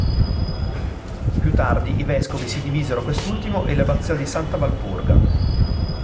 Più tardi i vescovi si divisero quest'ultimo e l'Abbazia di Santa Valpurga.